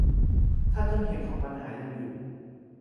ถ้าต้นเหตุของปัญหายังอยู่